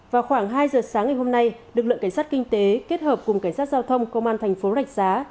vào khoảng hai giờ sáng ngày hôm nay lực lượng cảnh sát kinh tế kết hợp cùng cảnh sát giao thông công an thành phố rạch giá